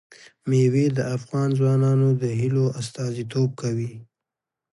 مېوې د افغان ځوانانو د هیلو استازیتوب کوي.